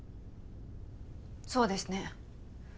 そうですね。